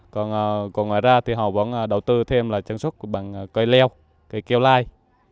còn còn ra thì họ vẫn đầu tư thêm là sản xuất bằng cây leo cây keo lai